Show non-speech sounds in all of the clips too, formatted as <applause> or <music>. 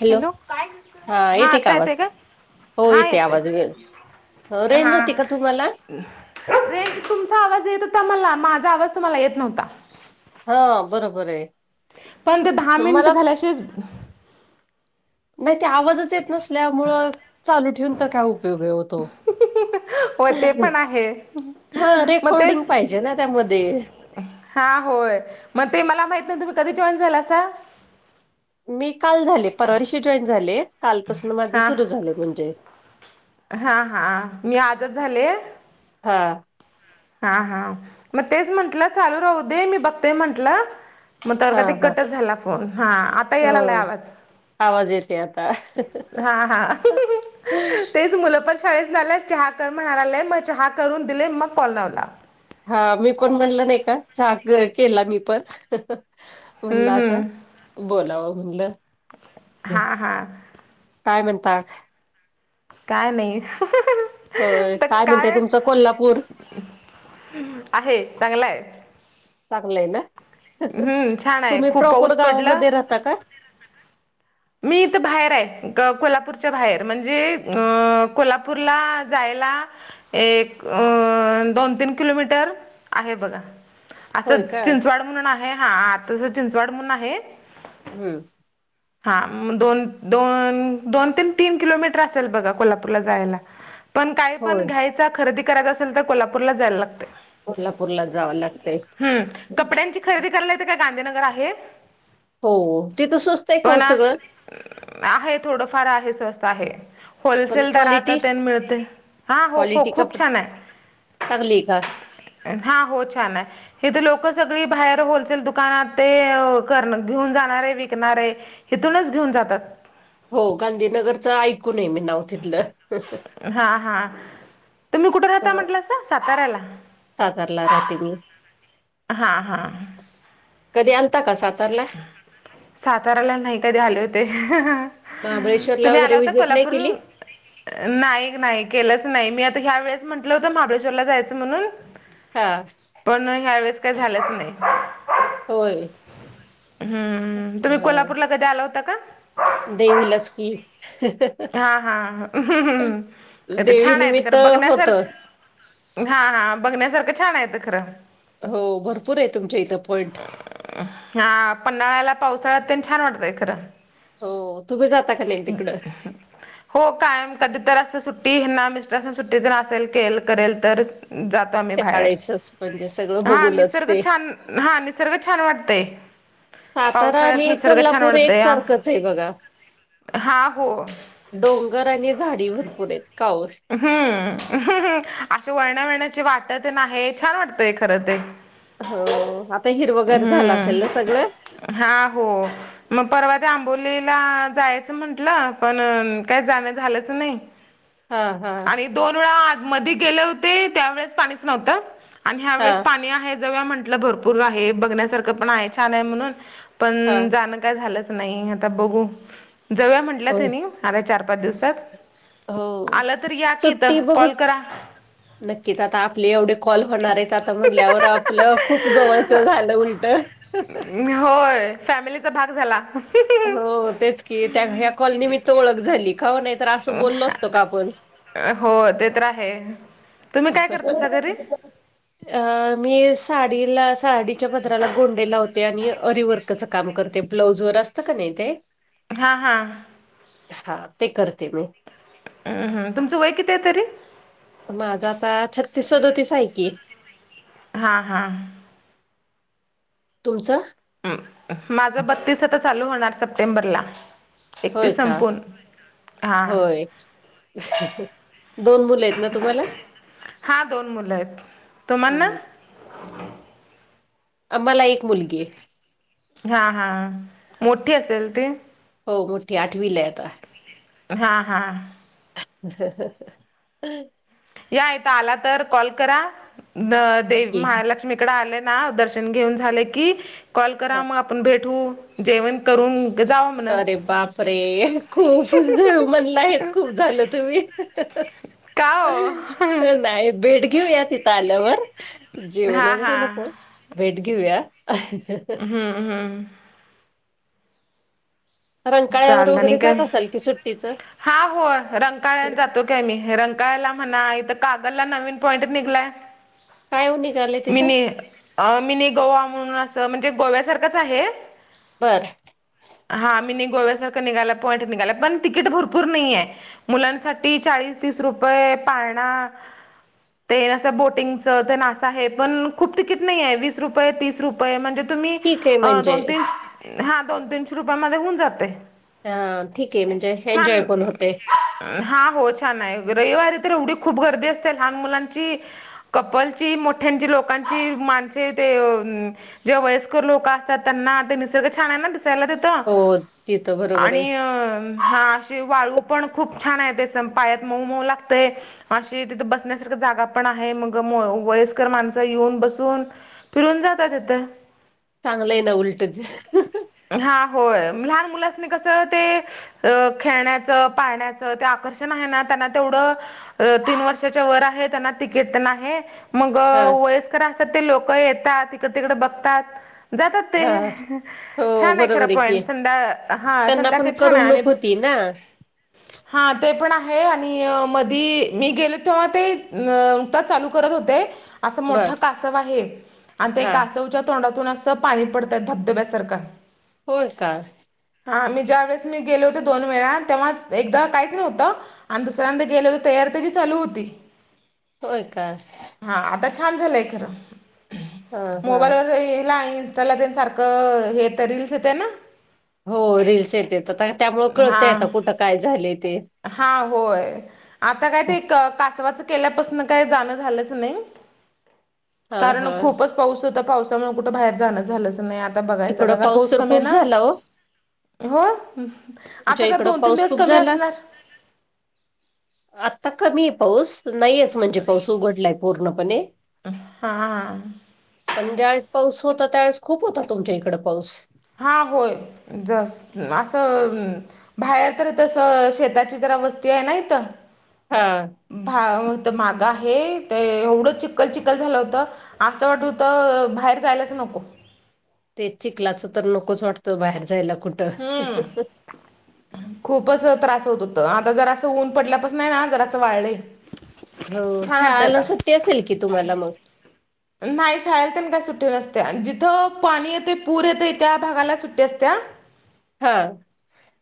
Hello हा येते का आवाज हो येते आवाज वेळ हो रेन होती का तुम्हाला रेज तुमचा आवाज येत होता मला माझा आवाज तुम्हाला येत नव्हता हा बरोबर आहे पण ते दहा मिनिट मला झाल्याशी नाही ते आवाजच येत नसल्यामुळं चालू ठेवून तर काय उपयोग होतो होय ते पण आहे हा मग रेकॉर्डिंग तेच पाहिजे ना त्यामध्ये हा होय मग ते मला माहित नाही तुम्ही कधी जेवण झाला असा मी काल झाले परवाशी जॉईन झाले कालपासून माझ हा सुरू झाले म्हणजे हा हा मी आजच झाले. हां हा हा मग तेच म्हंटलं चालू राहू दे मी बघते म्हंटलं मग तर अ हा का ते हा कटच झाला फोन हा आता यायला आलाय ह आवाज आवाज येते आता हा हा तेच मुलं पण शाळच नाल्या चहा कर म्हणा नाहीय म चहा करून दिले मग कॉल लावला हा मी पण म्हणल नाही का चहा केला मी पण म्हणला हम्म हम्म. आता बोलावं म्हणलं हा हा काय म्हणतात काय नाही अ काय म्हणतेय तुमच कोल्हापूर आहे चांगला आहे. चांगलं आहे ना हम्म छान आहे तुम्ही खूप प्रॉपोर पाऊस पडलं. गावामध्ये राहता का मी इथं बाहेर आहे कोल्हापूरच्या बाहेर म्हणजे अ कोल्हापूरला जायला एक अ दोन तीन किलोमीटर आहे बघा होय असं का चिंचवड म्हणून आहे हा आता चिंचवड म्हणून आहे‌. हम्म हा म दोन दोन दोन तन तीन किलोमीटर असेल बघा कोल्हापूरला जायला पण काय होय पण घ्यायचा खरेदी करायचा असेल तर कोल्हापूरला जायला लागते कोल्हापूर ला जावं लागतय हम्म कपड्यांची खरेदी कराला येते काय गांधीनगर आहे हो ते तवस्त पणस आहे थोडंफार आहे स्वस्त आहे पण होलसेल तररा आता क्वालिटी त्या मिळते हां हो ख खूप छान आहे तकलीका हां हो छान आहे हेथ लोक सगळी बाहेर होलसेल दुकानात ते कर घेऊन जाणार आहे विकणार आहे. हथूनच घेऊन जातात. हो गांधीनगरचं ऐकूनय मी नाव तिथलं हा हा तम् कुठे राहता म्हंटलं अस साताऱ्याला साकारारला रात्री ग हां हां कधी अंता का सा. सातवाराला नाही कधी आले होते. महाबळेश्वरला तुम्ही आला वगैरे होता व्हिजिट नाही कोल्हापूर. केली नाही नाही केलंच नाही मी आता ह्या वेळेस म्हंटलं होतं महाबळेश्वरला जायचं म्हणून हा पण ह्या वेळेस काही झालंच नाही होय हम्म तुम्ही कोल्हापूरला कधी आला होता का देवी लच की हा हा् तर देवी छान आहेत निमित्त खं होत बघण्यासारख हा हा बघण्यासारखं छान येत खरं हो भरपूर आहे तुमच्या इथं पॉइंट हा पन्हाळ्याला पावसाळ्यात त्यां छान वाटतय खरं हो तुम्ही जाता का न तिकड ह हो कायम कधी तर असं सुट्टी ना मिस्टर सुट्टीतेल के करेल तर जात. आम्ही बाहेर त्यावेळेसच म्हणजे सगळं हा बघूनच निसर्ग ते छान हा निसर्ग छान वाटतय. सातारा पावसाळ्यात आणि निसर्ग छान कोल्हापूर वाढतय ह एकसारखंच आहे बघा हा हो! डोंगर आणि झाडी भरपूर आहेत कावस्. हम्मम अे वळण्या वळण्याची वाटत नाही छान वाटतय खरं ते. हो आता हिरवगैर झालं असेल ना हम्म सगळं हा हो मग परवा त्या आंबोलीला जायचं म्हंटलं पण काय जाण झालंच नाही. हा हा आणि दोन वेळा आ मध गेले होते त्यावेेळेस पाणीच नव्हतं आणि ह्या हा वेळेस पाणी आहेत. म्हट भरपूर आहे बघण्यासार पण आहे छान आहे म्हणून हा पण. का झालं नाही आ बघ जव म्हटलं होय त आता चार पाच दिवसात. हो आलं तर या की सुट्टी इथं बघ कॉल करा नक्कीच आता आपले एवढे कॉल होणार आहेत आता म्हणल्यावर आपलं खूप जवळचं झालं उलट! होय फॅमिलीचा भाग झाला. हो तेच की त्या ह्या कॉलनी मी ओळख झाली का. तर असं बोललो असतो का आपण! हो ते तर रा आहे तुम्ही काय करतासा घरी. अ मी. साडीला साडीच्या पदराला गोंडे लावते आणि अरीवर्कच काम करते ब्लाउजर अस. पुस्तक न येत ते. हा हा हा ते करते मी. हम्म हम् तुमचं वय किती आहे तरी. माझं आता छत फसत होती साय की. हा हा तुमचं माझं बत्तीस आता चालू होणार सप्टेंबरला होय एकतीस का? संपून हां होय दोन मुलं आहेत ना तुम्हाला. हा दोन मुलं आहेत तुम्हा ना हं. आम्हाला एक मुलगी आहे. हां हां मोठी असेल ती. हो मोठी आठवीला आता. हा हा ह या यता आला तर कॉल करा दे ओके. महालक्ष्मी. इकड आले ना दर्शन घेऊन झाले की कॉल करा हां. मग आपण भेटू जेवण करून जाऊ म्हण अरे बाप रे खूप म्हणला आहेच खूप झालं तुम्ही! का हो नाही भेट घेऊया तिथे आल्यावर जेवन हां वगैरे हां नको भेट घेऊया अस. हम्म हम्म रंकाळ्यावर चालत आणि वगैरे काय जात असाल की सुट्टीच हा हो रंगकाळन जातो. काय मी रंकाळाला म्हणा इथ कागलला नवीन पॉईंट निघलाय. काय हो निघाले तिथं मिनी मिनी गोवा म्हणून असं म्हणजे गोव्यासारखंच आहे. बर हा मी नाही गोव्यासारखं निघाला पॉईंट निघाला पण तिकीट भरपूर नाहीय. मुलांसाठी चाळीस तीस रुपये पाळणा. ते नां बोटिंगच ते नासा आहे पण खूप तिकीट नाही आहे वीस रुपये तीस रुपये म्हणजे तुम्ही ठीक आहे म्हणजे दोन तीन हा दोन तीनशे रुपया म होऊन जाते अ ठीक आहे म्हणजे छान एन्जॉय पण होते हा हो छान आहे रविवारी तर एवढी खूप गर्दी असते लहान मुलांची कपलची मोठ्यांची लोकांची माणस ते जेव्हा वयस्कर लोक असतात त्यांना ते निसर्ग छान आहे ना दिसायला तिथं हो तिथं बरोबर आहे आणि अ हा अशी वाळू पण खूप छान आहे ते स पायात मऊ मऊ लागते अशी तिथे बसण्यासारख जागा पण आहे मग वयस्कर माणसं येऊन बसून फिरून जातात तेथ चांगलं आहे ना उलट ते हा होय लहान मुलांनी कसं ते अ खेळण्याचं पाळण्याचं ते आषण आहे त्यांना तेवढं तीन वर्षाच्या वर आहे त्यांना तिकीट म हा व असतात ते लोक येतात तकड तिकड बघतात जातात ते हा हो छान आहे खरं बरोबर की पॉइंट संध्या हा त्यांना पण संध्याकाळी छान आहे आणि करमणूक होती ना हा ते पण आहे आणि मधी मी गेले तेव्हा ते नुकताच चालू करत होते असं बर मोठं कासव आहे आणि ते हा कासवच्या तोंडातून असं पाणी पडतात धबधब्यासारखं होय का. हा मी ज्या वेळेस मी गेले होते दोन वेळा तेव्हा एकदा काहीच नव्हतं आणि दुसऱ्यांद गेले तर तयार त्याची चालू होती. होय का. हा आता छान झालंय खरं हा हा मोबाईल वरला ईस. <unintelligible> व्याला ते सारख हे तर रिल्स येते ना. हो रील्स येते तर त्यामुळ हा कळतय आता कुठं काय झालंय ते. हा होय आता काय ते क कासवाचं केल्यापासून काही जाणं झालंच नाही हां कारण हां खूप असं पाऊस होता पावसामुळे कुठं बाहेर जाणं झालंच नाही आता बघायचं तिकडं आता पाऊस तर कमी ये खूप ना. झाला ओ हो आता घर दोन तीन दिवस कमी असणार. आता कमी आहे पाऊस नाहीच म्हणजे पाऊस उघडलाय. पूर्णपणे हा हा. पण ज्यावेळेस पाऊस होता त्यावेेळेस खूप होता तुमच्या इकड पाऊस. हा होय जस असं बाहेर तर तसं शेताची जरा वस्थती आहे ना इथं. हा. भात माग आहे ते एवढं चिकखल चिकखल झालं होतं. असं वाटत होत बाहेर जायलाच नको. ते चिकलाचं तर नकोच वाटतं बाहेर जायला कुठं. हम्म <unintelligible> <inaudible> खूपच त्रास होत होत आता जरा असं ऊन पडल्यापास न ना जरास वाळलये. हो शाळाला सुट्टी असेल की तुम्हाला मग. नाही शाळेला तेन काही सुट्टी नसत्या जिथं पाणी येतं पूर येतं त्या भागाला सुट्टी असत्या हां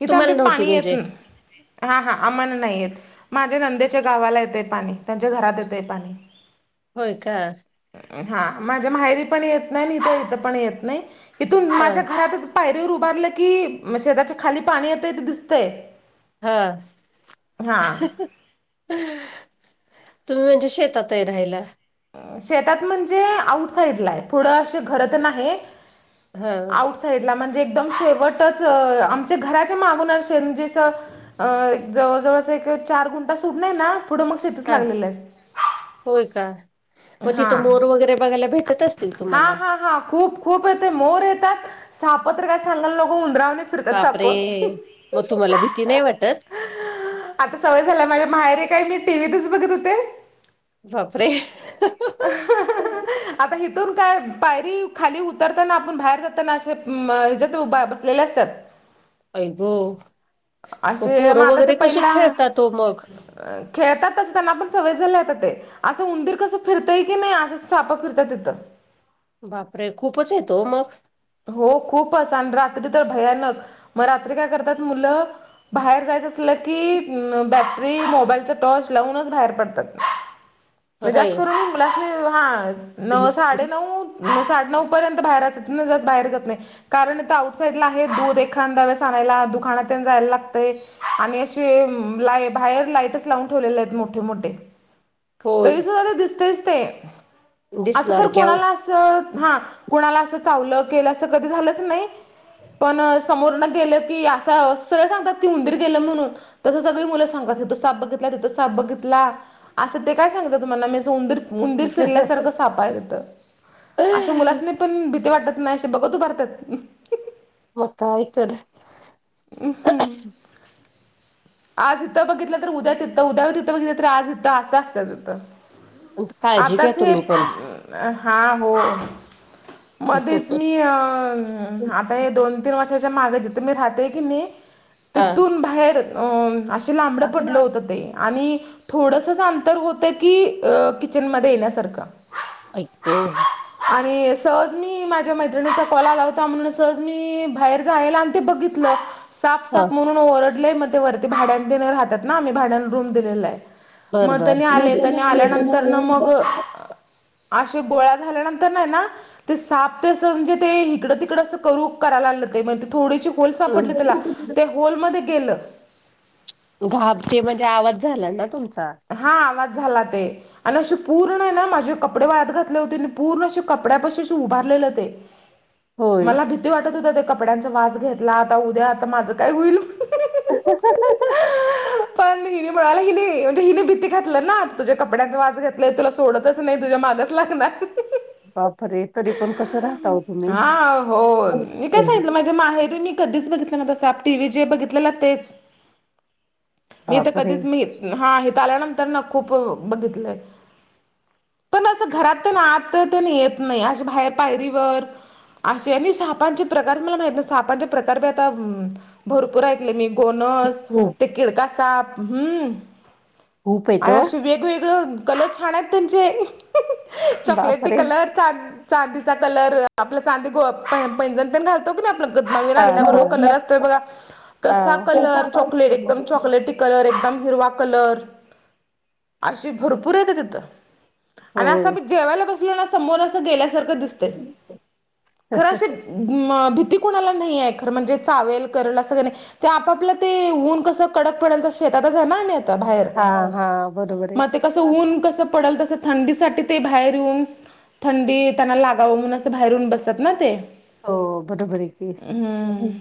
इथे तुम्हाला आमडत नव्हती पाणी येत म्हणजे ना हां हां आम्हाला नाही येत माझ्या नंद्याच्या गावाला येतंय पाणी त्यांच्या घरात येतय पाणी. होय का. हा माझ्या माहेरी पण येत नाही आणि इथ इथ पण येत नाही इथून हां माझ्या घरात पायरीवर उभारलं की शेताच्या खाली पाणी येतंय ते दिसतंय. हा. हा तुम्ही म्हणजे शेतातये राहायला. शेतात म्हणजे आउटसाइडला आहे पुढं असे घर तेन आहे. हा. साईड ला म्हणजे एकदम शेवटच आमच्या घराच्या मागून म्हणजे अस अ जवळ जवळ अस एक चार गुंटा सूट नाही ना पुढं मग <unintelligible> तात आहे. होय का. मग हा तिथं मोर वगैरे बघायला भेटत असतील हा तुम्हाला. हा हा खूप खूप येते मोर येतात साप तर काय सांगायला नको उंदरावाणी बापरे मग तुम्हाला भीती नाही वाटत. आता सवय झाला माझ्या माहेरी मी काय टीव्हीतच बघत होते. बापरे. <unintelligible> आता हथून काय पायरी खाली उतरताना आपण बाहेर जातांना अशे <unintelligible> केल्या असत्यात. आई गो म पोरं वगैरे कशे खेळतात हो मग. खेळतात त्यांना पण सवय झाले आता ते असंं उदीर कसं फिरतय की नाही असं सापा फिरतय इथं. बापरे खूपच हेत ओ मग. हो खूपच आणि रात्री तर भयानक मग रात्री काय करतात मुलं बाहेर जायचं असलं की बॅटरी मोबाईलचा टॉर्च लावूनच बाहेर पडतात. म्हणज जास्त खरंय करून मुला अस हा न साडे नऊ. म्ह साडे नऊ पर्यंत बाहेर ना जस बाहेर जात नाही. कारण तर आउटसाईडला आहे दूध एखादा वस आणायला दुखानात जायला लागत. आणि अे ला बाहेर लाईटच लावून ठेवलेले आहेत मोठे मोठे. होय तरी सुद्धा ते दिसतेच ते. असं दिसणार कर की अहो कुणाला असं हा कुणाला असं चावलं केलं अस कधी झालंच नाही. पण समोर ना गेलं की असं सरळं सांगतात ती हंदीर गेलं म्हणून. तसं सगळी मुलं सांगतात तिथ साप बघितला तिथं साप बघितला असं ते काय सांगत तुम्हाला मी सौंदर उंदिर शीरल्यासारखं सापायेत अ मुलाच नाही पण भीती वाटत. नाहीे बघ तू भारतात. <unintelligible> हम ह. आज इथं बघितलं तर उद्या तिथं उद्यावर तिथं बघितलं तर आज इथं असंचत तथं. काळजी घ्या आताच हे तुम्ही पण अ हा हो मध्येच मी आता हे दोन. तीन वर्षाच्या मागे जिथं मी राहते की नाही हा तिथून बाहेर. असे लांबडं पडलं होतं तेऽ आणि,, थोडसच अंतर होतं की किचनमध्ये येण्यासारखं,, एकको. आणि सहज मी माझ्या मैत्रिणीचा कॉल लावता म्हणून सहज मी बाहेर जायला आणि ते बघित साप हा साप म्हणून. म ओरडलेय मग ते वरती भ भाड्यां दे राहतात ना आम्ही भाड्या रूम दिलेला आहे. बर मग बर तनी आले तनी आल्यानंतर ना मग. अे गोळ्या झाल्यानंतर नाही ना. ते साप ते असं म्हणजे ते इिकडं तिकड असं करू करायला लागलं ते म्ह थोडीशी होल सापडली हम्म त्याला ते होलमध्ये गेलं. घाबते म्हणजे आवाज झाला ना तुमचा. हा आवाज झाला ते. आणि अस पूर्ण ना, माझे कपडे वाळत घातले होते आणि पूर्ण असे कपड्यापाशी उभारलेले तेऽ <inaudible> होय. मला भीती वाटत होत,, ते कपड्यांचा वास घेतला, आता उद्या आता माझं काय होईल. हहहह पण तन पळाल क नाही. घातलं ना, आता तुझ्या कपड्यांचा वास घेतलय, तुला सोडतच नाही,, तुझ्या मागच लागणार.. बापरे! तरी पण कसं राहता ओ तुम्ही? हा हो मी काय सांगितलं माझ्या माहेरी मी कधीच बघितलं नव्हता साप,, टीव्हीत जे बघितलेलं तेच. मी तर बापरे कधीच मी,, हा,, इथ आल्यानंतर ना खूप बघितलंय. पण असं घरात त्यान, आत त्यांन येत नाही,, अश बाहेर पायरीवरऽ असे,, आणि सापांचे प्रकारच मला माहित नाही,, सापांचे प्रकार बि आताऽ भरपूर ऐकले मी,, गोनस,, खूप ते किडका साप,,, हम्म. खूप येत आणि ओ. अश वेगवेगळ,, कलर छान आहेत त्यांचे,, चॉकलेटी बापरे कलर. चांदीचा कलर, आपला चांदी, पैजण तण घालतऽ तो कलर हा आसतोय बगा,, तो कलर हा असतोय ब हा कसा कलर चॉकलेटीख एकम च कलर,, एकदम हिरवा कलर. अशी भरपूर येते तिथं,, आणि असं होय. मी जेवायला बसलो ना समोून असं गेल्यासारखं दिसतऽ तय,, खरं असंऽ म, भीती कुणाला नाही आहे,, खरं म्हणजे चावेल, करल असग नाही ऽ ते आपापला ते,, ऊन कसं कडक पडेल तस, शेतातच आहे ना आम्हीऽ हां, हा, बरोबर आहे. ते कसं, ऊन कसं पडल तसं थंडीसाठी सबते बाहेर येऊन तेऽ थंडी त्यांना लागावं म्हणून,, असं बाहेरून बसतात ना ते हो,, बरोबर आहे हम्म की?